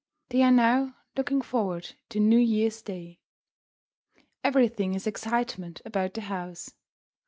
They are now looking forward to New Year's day. Everything is excitement about the house.